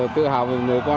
tự hào với mấy con